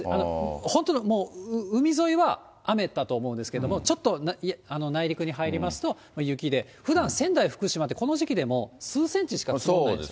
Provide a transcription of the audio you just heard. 本当の海沿いは雨だと思うんですけれども、ちょっと内陸に入りますと雪で、ふだん仙台、福島って、この時期でも数センチしか積もらないんです。